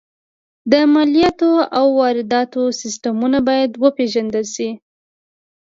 د مالیاتو او وارداتو سیستمونه باید وپېژندل شي